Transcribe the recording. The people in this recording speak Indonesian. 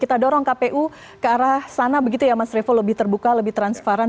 kita dorong kpu ke arah sana begitu ya mas revo lebih terbuka lebih transparan